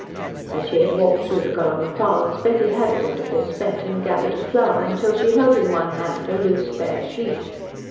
As she had walked through the garden paths, Betty had at intervals bent and gathered a flower, until she held in one hand a loose, fair sheaf.